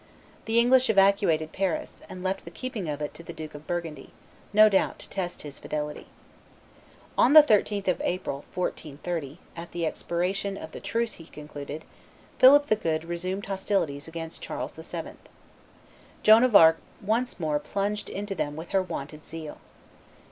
The English evacuated Paris, and left the keeping of it to the Duke of Burgundy, no doubt to test his fidelity. On the 13th of Aprils 1430, at the expiration of the truce he had concluded, Philip the Good resumed hostilities against Charles VII. Joan of Arc once more plunged into them with her wonted zeal.